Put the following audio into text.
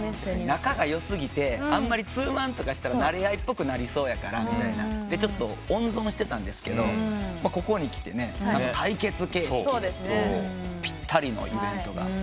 仲が良過ぎてあんまりツーマンとかしたらなれ合いっぽくなりそうやからみたいな。でちょっと温存してたんですけどここにきてね対決形式でっていうぴったりのイベントが。